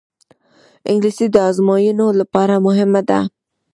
انګلیسي د ازموینو لپاره مهمه ده